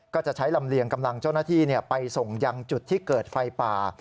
ก็จะใช้ลำเลียงกำลังเจ้าหน้าที่ไปส่งยังจุดที่เกิดไฟป่า